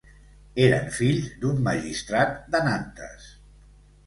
Eren fills d'un magistrat de Nantes.